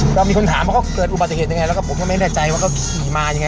เรามีคนถามว่าเขาเกิดอุบัติเหตุยังไงแล้วก็ผมก็ไม่แน่ใจว่าเขาขี่มายังไง